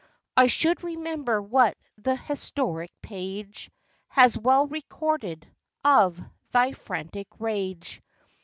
I should remember what th' historic page Has well recorded, of thy frantic rage.